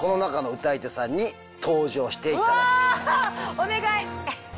お願い！